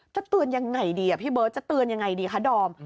จะเตือนยังไงดีพี่เบิร์ตจะเตือนยังไงดีคะดอม